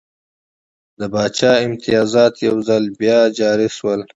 د پاچا امتیازات یو ځل بیا جاري شول.